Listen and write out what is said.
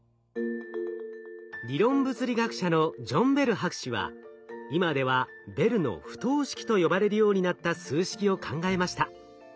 理論物理学者のジョン・ベル博士は今では「ベルの不等式」と呼ばれるようになった数式を考えました。